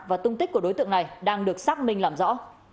và tung tích của đối tượng này đang được xác minh làm rõ